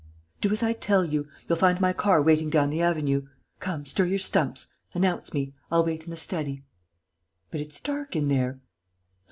"Do as I tell you. You'll find my car waiting down the avenue. Come, stir your stumps! Announce me. I'll wait in the study." "But it's dark in there."